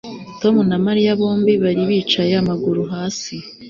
Tom na Mariya bombi bari bicaye amaguru hasi